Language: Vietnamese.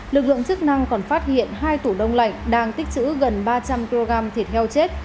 lực lượng chức năng còn phát hiện hai tủ đông lạnh đang tích chữ gần ba trăm linh kg thịt heo chết